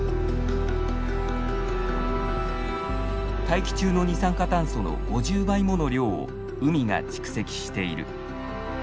大気中の二酸化炭素の５０倍もの量を海が蓄積している。